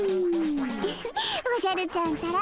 ウフッおじゃるちゃんったら。